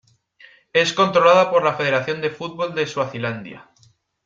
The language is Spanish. Es controlada por la Federación de Fútbol de Suazilandia.